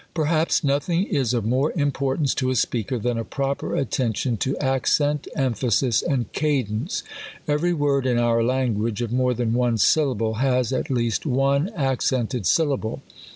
Perhaps nothing is of more importance to a speaker, than a proper attention to accent, emphasis, and ca dence. Every word in our language, of more than one syllable, has, at least, one accented syllable.